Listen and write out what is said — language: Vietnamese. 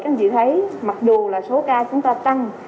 các anh chị thấy mặc dù là số ca chúng ta tăng